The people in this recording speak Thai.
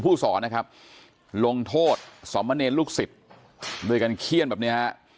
ผู้สอนนะครับลงโทษสอมเมินลูกศิษย์โดยกันเขี้ยนแบบนี้ฮะ